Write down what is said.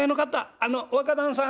あの若旦さん